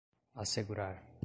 assegurar